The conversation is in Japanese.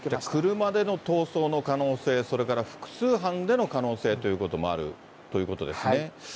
車での逃走の可能性、それから複数犯での可能性ということもあるということですね。